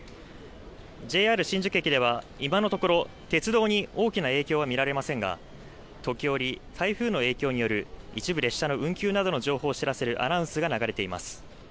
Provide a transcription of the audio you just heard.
ＪＲ新宿駅では今のところ鉄道に大きな影響は見られませんが時折、台風の影響による一部列車の運休などの情報を知らせるアナウンスが流れています。